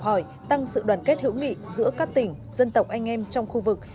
hỏi tăng sự đoàn kết hữu nghị giữa các tỉnh dân tộc anh em trong khu vực